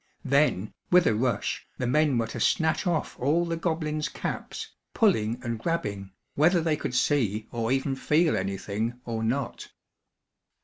Then, with a rush, the men were to snatch off all the goblins' caps, pulling and grabbing, whether they could see, or even feel anything, or not.